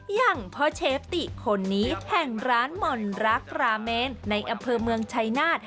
อย่างพ่อเชฟติคนนี้แห่งร้านหม่อนรักราเมนในอำเภอเมืองชัยนาธ